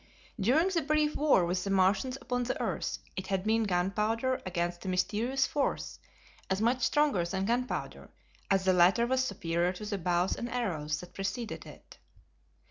During the brief war with the Martians upon the earth it had been gunpowder against a mysterious force as much stronger than gunpowder as the latter was superior to the bows and arrows that preceded it.